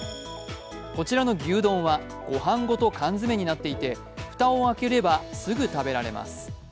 こちらの牛丼はごはんごと缶詰になっていて蓋を開ければすぐに食べられます。